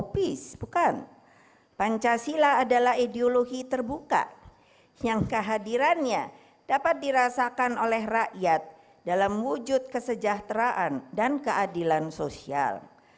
bukan pancasila adalah ideologi terbuka yang kehadirannya dapat dirasakan oleh rakyat dalam wujud kesejahteraan dan keadilan sosial